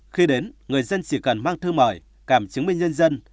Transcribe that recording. khi đến người dân chỉ cần mang thư mời càm chứng minh nhân dân